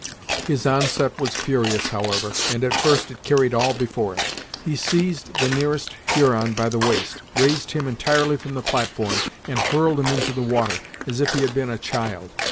His onset was furious, however, and at first it carried all before it. He seized the nearest Huron by the waist, raised him entirely from the platform, and hurled him into the water, as if he had been a child.